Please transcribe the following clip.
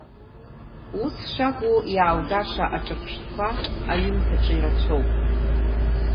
Ус шакәу иааугаша аҿырԥштәқәа аҩымҭаҿы ирацәоуп.